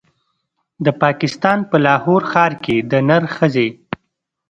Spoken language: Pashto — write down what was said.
د پاکستان په لاهور ښار کې د نرښځې